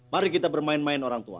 mari kita bermain main orang tua